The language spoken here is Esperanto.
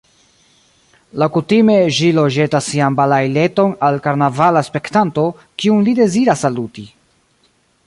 Laŭkutime ĵilo ĵetas sian balaileton al karnavala spektanto, kiun li deziras saluti.